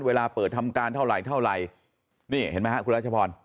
เวลาเปิดทำการเท่าไหร่เท่าไหร่นี่เห็นไหมครับคุณรัชพร